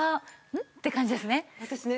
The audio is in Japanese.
ん？って感じですね。